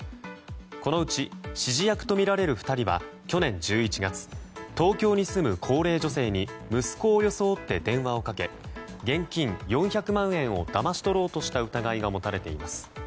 このうち指示役とみられる２人は去年１１月東京に住む高齢女性に息子を装って電話をかけ現金４００万円をだまし取ろうとした疑いが持たれています。